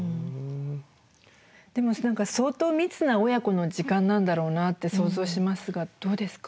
でも相当密な親子の時間なんだろうなって想像しますがどうですか？